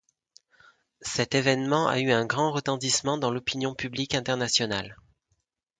Cet événement a eu un grand retentissement dans l'opinion publique internationale.